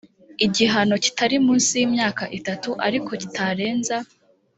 igihano kitari munsi y imyaka itatu ariko kitarenze